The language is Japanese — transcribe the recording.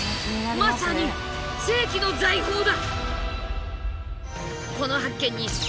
まさに世紀の財宝だ。